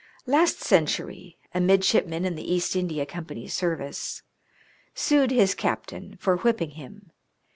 Last century, a midshipman in the East India Company's service, sued his captain for whipping him.